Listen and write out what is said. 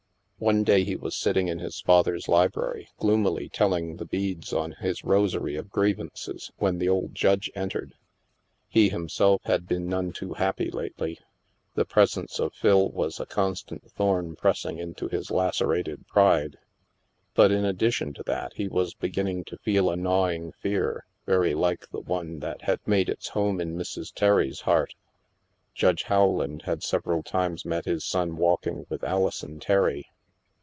One day he was sitting in his father's library, gloomily telling the beads on his rosary of griev ances, when the old Judge entered. He himself had been none too happy lately. The presence of Phil was a constant thorn pressing into his lacerated pride. But in addition to that, he was beginning to feel a gnawing fear very like the one that had made its home in Mrs. Terry's heart. Judge Howland had several times met his son walking with Alison Terry.